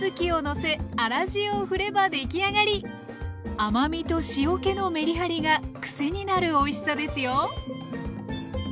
甘みと塩けのメリハリがくせになるおいしさですよ。